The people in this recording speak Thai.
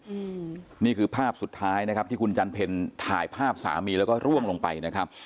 อืมนี่คือภาพสุดท้ายนะครับที่คุณจันเพลถ่ายภาพสามีแล้วก็ร่วงลงไปนะครับ